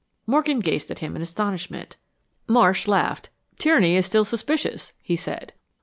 Morgan gazed at him in astonishment. Marsh laughed. "Tierney is still suspicious," he said.